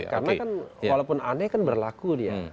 karena walaupun aneh kan berlaku